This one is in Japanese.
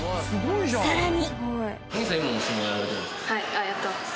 ［さらに］